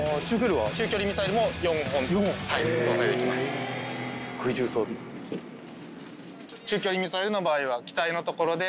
中距離ミサイルの場合は。